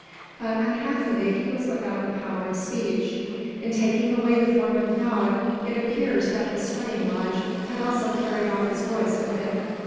But unhappily he was without the power of speech. In taking away the form of the dog, it appears that the sweating lodge had also carried off his voice with it.